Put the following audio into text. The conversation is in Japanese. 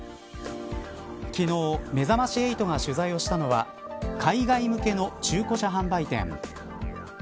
昨日、めざまし８が取材をしたのは海外向けの中古車販売店。